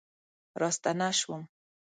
راستنه شوم